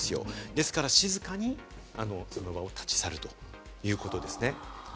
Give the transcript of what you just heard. ですから、静かにその場を立ち去るということです。